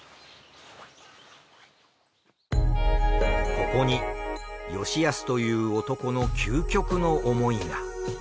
ここに吉保という男の究極の思いが。